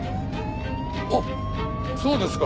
あっそうですか。